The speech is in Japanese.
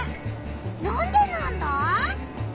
なんでなんだ？